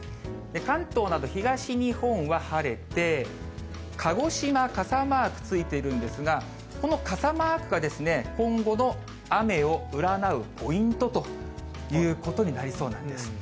関東など、東日本は晴れて、鹿児島、傘マークついているんですが、この傘マークが今後の雨を占うポイントということになりそうなんです。